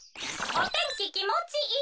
「おてんききもちいい」。